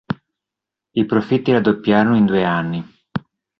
I profitti raddoppiarono in due anni.